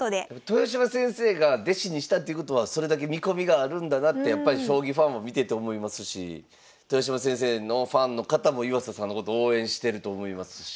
豊島先生が弟子にしたってことはそれだけ見込みがあるんだなって将棋ファンも見てて思いますし豊島先生のファンの方も岩佐さんのこと応援してると思いますし。